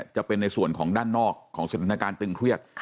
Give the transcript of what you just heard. จะเป็นในส่วนของด้านนอกของสถานการณ์ตึงเครียด